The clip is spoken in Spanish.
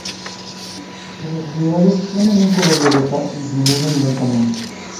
Sus necesidades tienen un color violeta y disminuyen lentamente.